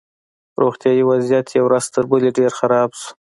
روغتیایي وضعیت یې ورځ تر بلې ډېر خراب شو